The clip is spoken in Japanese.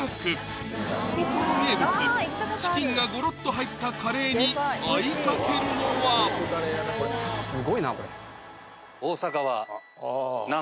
ここの名物チキンがゴロッと入ったカレーにあいがけるのは好きです